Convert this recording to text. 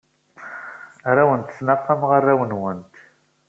Ur awent-ttnaqameɣ arraw-nwent.